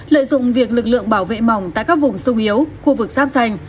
lợi dụng việc lực lượng bảo vệ mỏng tại các vùng sung yếu khu vực sáp xanh